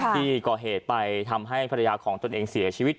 ที่ก่อเหตุไปทำให้ภรรยาของตนเองเสียชีวิต